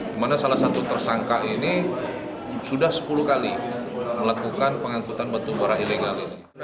di mana salah satu tersangka ini sudah sepuluh kali melakukan pengangkutan batu bara ilegal